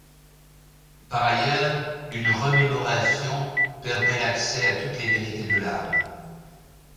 Par ailleurs, une remémoration permet l’accès à toutes les vérités de l’âme.